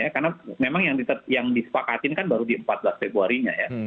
karena memang yang disepakatin kan baru di empat belas februarinya ya